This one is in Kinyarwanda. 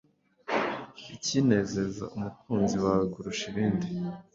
ikinezeza umukunzi wawe kurusha ibindi